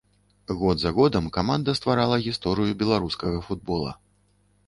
Год за годам каманда стварала гісторыю беларускага футбола.